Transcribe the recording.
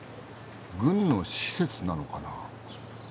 軍の施設なのかな？